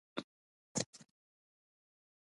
ایا ستاسو محکمه به رڼه وي؟